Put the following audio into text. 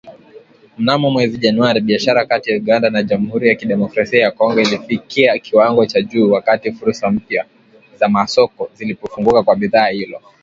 Mnamo mwezi Januari, biashara kati ya Uganda na Jamuhuri ya kidemokrasia ya Kongo ilifikia kiwango cha juu, wakati fursa mpya za masoko zilipofunguka kwa bidhaa ilo